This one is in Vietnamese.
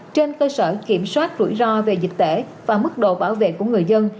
trên cơ sở kiểm soát rủi ro về dịch tễ và mức độ bảo vệ của người dân